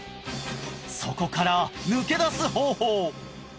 そこから抜け出す方法